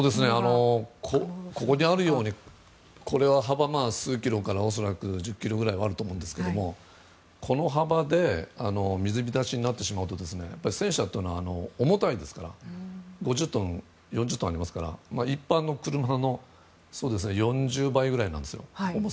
ここにあるように幅、数キロから恐らく１０ｋｍくらいはあると思うんですがこの幅で水浸しになってしまうと戦車というのは重たいですから５０トンありますから一般の車の４０倍ぐらいなんですよ。